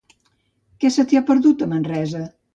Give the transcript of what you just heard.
Què se t'hi ha perdut, a Manresa?